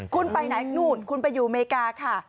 คุณไปไหนนู่นคุณไปอยู่อเมริกาค่ะ